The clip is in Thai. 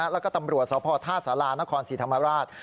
แล้วก็ตำรวจสพท่าสารานครศรีธรรมราช